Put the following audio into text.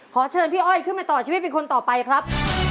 ขอเชิญพี่อ้อยขึ้นมาต่อชีวิตเป็นคนต่อไปครับ